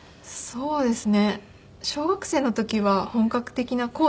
そうですね。